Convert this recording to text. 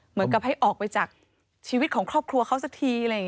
เหมือนกับให้ออกไปจากชีวิตของครอบครัวเขาสักที